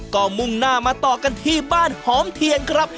ก็มุ่งหน้ามาต่อกันที่บ้านหอมเทียนครับ